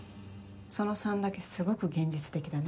その３だけすごく現実的だね。